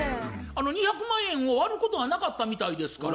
２００万円を割ることはなかったみたいですから。